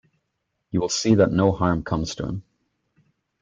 You will see that no harm comes to him.